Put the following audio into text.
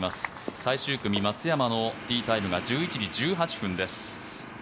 最終組、松山のティータイムが１１時１８分です。